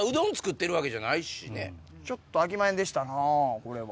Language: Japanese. ちょっとあきまへんでしたなこれは。